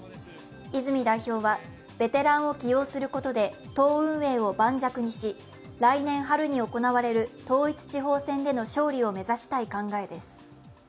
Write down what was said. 泉代表はベテランを起用することで党運営を磐石にし、来年春に行われる統一地方選での勝利を目指したい考えです。